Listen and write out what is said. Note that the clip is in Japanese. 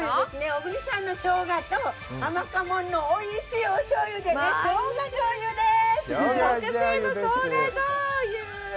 小国産のしょうがとあまかもんのおいしいおしょうゆでしょうがじょうゆです。